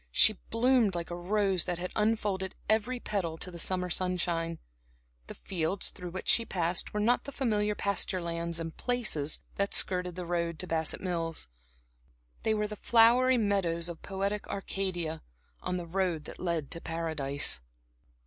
She bloomed like a rose that has unfolded every petal to the summer sunshine. The fields through which she passed were not the familiar pasture lands and "places" that skirted the road to Bassett Mills; they were the flowery meadows of poetic Arcadia, on the road that led to Paradise.